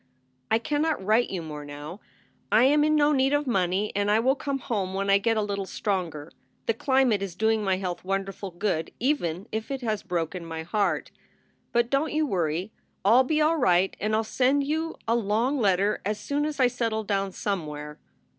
I cannot write you more now. I am in no need of money and I will come home when I get a little stronger. The climate is doing my health wonderful good even if it has broken my heart. But don t you worry. I ll be all right and I ll send you a long letter as soon as I settle down somewhere.